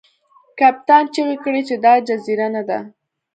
کپتان چیغې کړې چې دا جزیره نه ده.